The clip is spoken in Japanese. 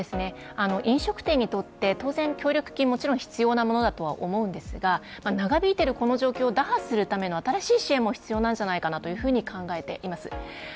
飲食店にとって当然協力金はもちろん必要なものだと思うんですが、長引いているこの状況を打破するための新しい支援も必要なんじゃないかなと考えています。